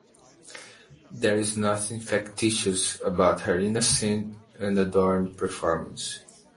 There is nothing factitious about her innocent, unadorned performance.